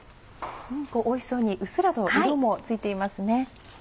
おいしそうにうっすらと色もついていますね。